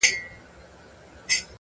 • هسي نه زړه مي د هیلو مقبره سي,